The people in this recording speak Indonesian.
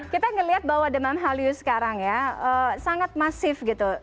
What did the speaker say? kita melihat bahwa demam hallyu sekarang ya sangat masif gitu